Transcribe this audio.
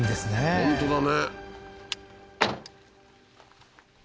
本当だね